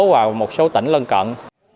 và một số tỉnh lân cận